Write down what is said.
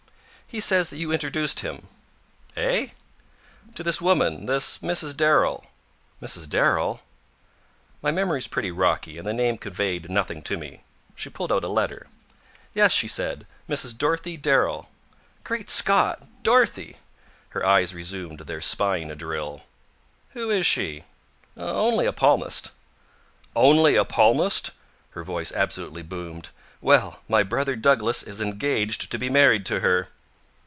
"He says that you introduced him." "Eh?" "To this woman this Mrs. Darrell." "Mrs. Darrell?" My memory's pretty rocky, and the name conveyed nothing to me. She pulled out a letter. "Yes," she said, "Mrs. Dorothy Darrell." "Great Scott! Dorothea!" Her eyes resumed their spine drill. "Who is she?" "Only a palmist." "Only a palmist!" Her voice absolutely boomed. "Well, my brother Douglas is engaged to be married to her."